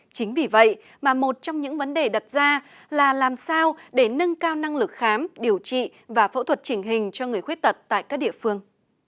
chính vì vậy mà một trong những vấn đề đặt ra là làm sao để nâng cao năng lực khám điều trị và phẫu thuật chỉnh hình cho người khuyết tật tại các địa phương